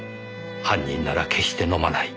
犯人なら決して飲まない。